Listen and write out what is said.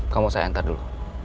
kamu saya enter dulu